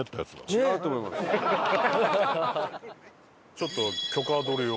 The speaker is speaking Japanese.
ちょっと許可取りを。